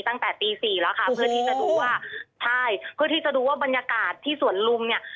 ตั้งแต่ตีสี่แล้วค่ะเพื่อที่จะดูว่าใช่เพื่อที่จะดูว่าบรรยากาศที่สวนลุมเนี่ย